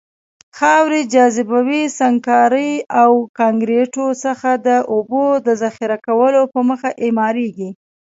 خاورې، جاذبوي سنګکارۍ او کانکریتو څخه د اوبو د ذخیره کولو په موخه اعماريږي.